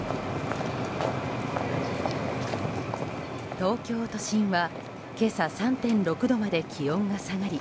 東京都心は今朝３．６度まで気温が下がり